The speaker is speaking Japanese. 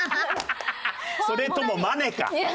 それともマネか！